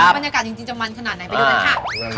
บรรยากาศจริงจะมันขนาดไหนไปดูกันค่ะ